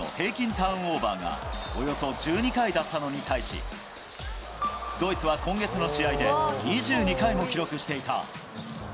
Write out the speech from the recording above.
ターンオーバーがおよそ１２回だったのに対し、ドイツは今月の試合で２２回も記録していた。